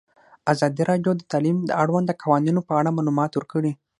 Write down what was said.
ازادي راډیو د تعلیم د اړونده قوانینو په اړه معلومات ورکړي.